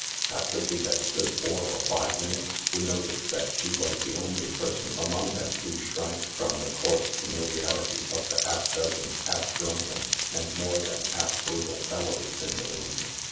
After we had stood four or five minutes, we noticed that she was the only person among them who shrank from the coarse familiarity of the half dozen half drunken, and more than half brutal fellows in the room.